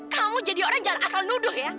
kamu jadi orang asal nuduh ya